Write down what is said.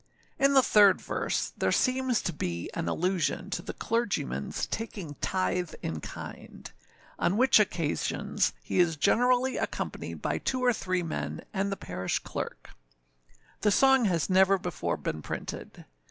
In the third verse there seems to be an allusion to the clergyman's taking tythe in kind, on which occasions he is generally accompanied by two or three men, and the parish clerk. The song has never before been printed.